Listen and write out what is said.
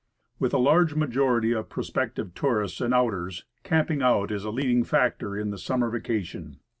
WITH a large majority of prospective tourists and outers, "camping out" is a leading factor in the summer vacation.